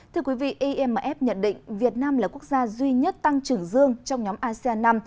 thưa quý vị imf nhận định việt nam là quốc gia duy nhất tăng trưởng dương trong nhóm asean năm